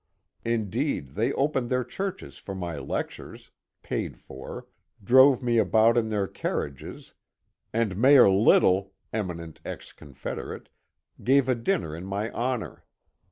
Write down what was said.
Indeed, they opened their churches for my lectures (paid for), drove me about in their carriages, and Mayor Little (eminent ex Con« federate) gave a dinner in my honour.